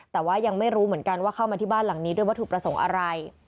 แต่ว่ายังไม่รู้เหมือนกันว่าเข้ามาที่บ้านหลังนี้ด้วยวัตถุประสงค์อะไร